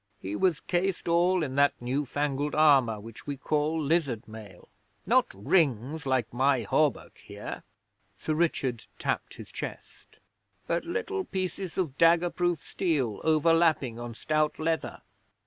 He was cased all in that newfangled armour which we call lizard mail. Not rings like my hauberk here' Sir Richard tapped his chest but little pieces of dagger proof steel overlapping on stout leather.